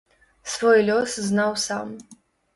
Свой лёс знаў сам.